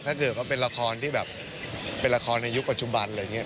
ถ้าเกิดว่าเป็นละครที่แบบเป็นละครในยุคปัจจุบันอะไรอย่างนี้